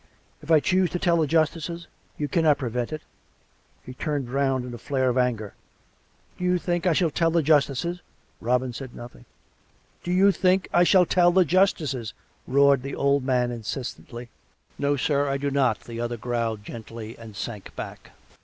If I choose to tell the justices, you cannot prevent it." (He turned round in a flare of anger.) " Do you think I shall tell the justices? " Robin said nothing, "Do you think I shall tell the justices? " roared the old man insistently. " No, sir. Now I do not." The other growled gently and sank back.